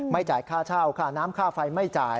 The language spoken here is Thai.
จ่ายค่าเช่าค่าน้ำค่าไฟไม่จ่าย